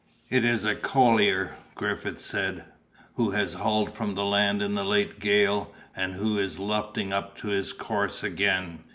"It is a collier," Griffith said, "who has hauled from the land in the late gale, and who is luffing up to his course again.